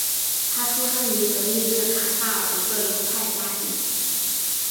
他出生于德意志卡塞尔一个犹太家庭。